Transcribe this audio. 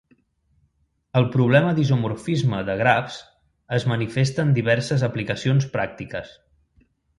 El problema d'isomorfisme de grafs es manifesta en diverses aplicacions pràctiques.